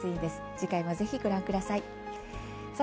次回もぜひ、ご覧ください。